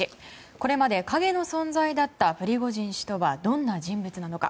これまで影の存在だったプリゴジン氏とはどんな人物なのか。